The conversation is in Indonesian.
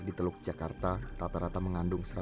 di teluk jakarta rata rata mengandung